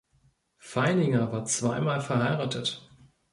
Feininger war zweimal verheiratet.